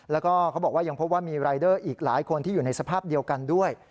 แล้วก็เขาบอกว่ายังพบว่ามีรายเดอร์อีกหลายคนที่อยู่ในสภาพเดียวกันด้วย